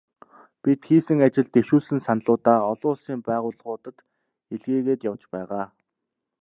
Бид хийсэн ажил, дэвшүүлсэн саналуудаа олон улсын байгууллагуудад илгээгээд явж байгаа.